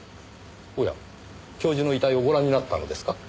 おや教授の遺体をご覧になったのですか？